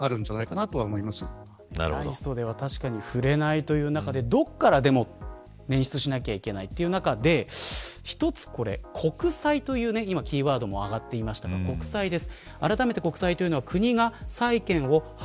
ない袖は確かに振れないという中でどこから、でも捻出しないといけないということで一つ、国債という今キーワードも挙がっていましたが国債です。